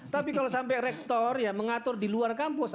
tapi kalau sampai rektor ya mengatur di luar kampus